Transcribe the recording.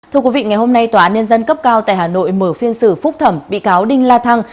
thưa quý vị ngày hôm nay tòa án nhân dân cấp cao tại hà nội mở phiên xử phúc thẩm bị cáo đinh la thăng